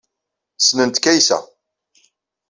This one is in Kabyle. Ssnent Kaysa.